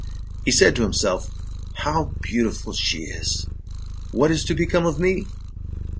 He said to himself: "How beautiful she is! What is to become of me?"